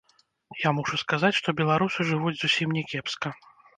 Я мушу сказаць, што беларусы жывуць зусім не кепска.